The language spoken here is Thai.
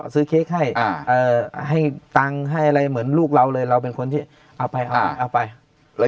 เค้กให้ให้ตังค์ให้อะไรเหมือนลูกเราเลยเราเป็นคนที่เอาไปเอาไป